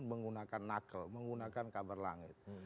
menggunakan nakel menggunakan kabar langit